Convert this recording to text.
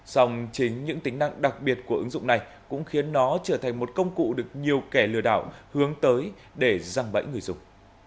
sòng chính những tính năng đặc biệt của ứng dụng này cũng khiến nó trở thành một công cụ được nhiều kẻ lừa đảo hướng tới để răng bẫy người dùng